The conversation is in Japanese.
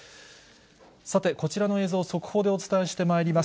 さて、こちらの映像、速報でお伝えしてまいります。